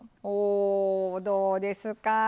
おおどうですか？